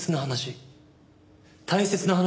大切な話？